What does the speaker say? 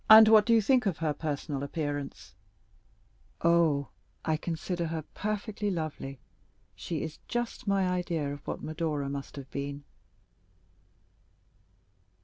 "And what do you think of her personal appearance?" "Oh, I consider her perfectly lovely—she is just my idea of what Medora must have been."